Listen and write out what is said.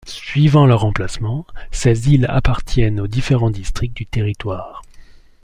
Suivant leurs emplacements, ces îles appartiennent aux différents districts du territoire.